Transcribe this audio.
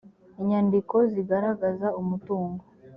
inyandiko zigaragaza umutungo